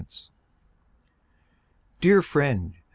Dear Friend!